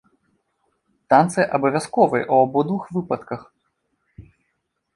Танцы абавязковыя ў абодвух выпадках.